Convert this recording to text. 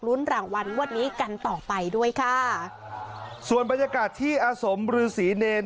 รุ้นรางวันวันนี้กันต่อไปด้วยค่ะส่วนบรรยากาศที่อสมหรือศรีเนร